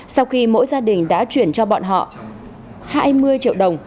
sau khi mỗi gia đình đã chuyển cho bọn họ hai mươi triệu đồng